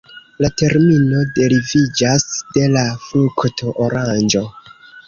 La termino deriviĝas de la frukto oranĝo.